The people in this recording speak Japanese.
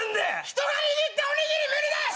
人が握ったおにぎり無理です！